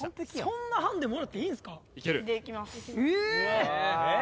そんなハンデもらっていいんですか？